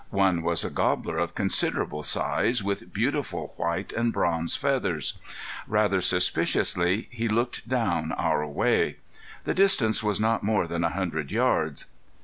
One was a gobbler of considerable size, with beautiful white and bronze feathers. Rather suspiciously he looked down our way. The distance was not more than a hundred yards.